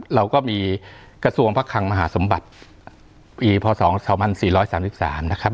เราก็มีกระทรวงพระคังมหาสมบัติปีพศ๒๔๓๓นะครับ